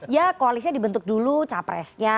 ya koalisnya dibentuk dulu capresnya